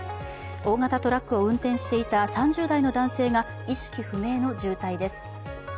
大型トラックを運転していた３０代の男性が意識不明の重体です。